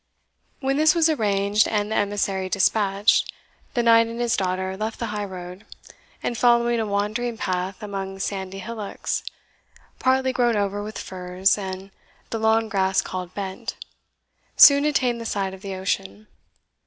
When this was arranged, and the emissary despatched, the knight and his daughter left the high road, and following a wandering path among sandy hillocks, partly grown over with furze and the long grass called bent, soon attained the side of the ocean.